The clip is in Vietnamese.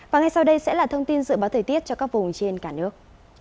và ngay sau đây sẽ là thông tin dự báo thời tiết cho các vùng trên cả nước